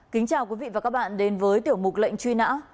kính chào quý vị và các bạn đến với tiểu mục lệnh truy nã